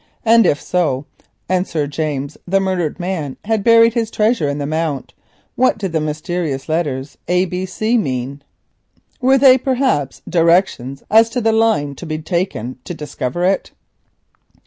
And if this was so, and Sir James, the murdered man, had buried his treasure in the mount, what did the mysterious letters A.B.C. mean? Were they, perhaps, directions as to the line to be taken to discover it?